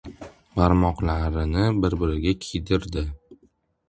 Barmoqlarini bir-biriga kiydirdi.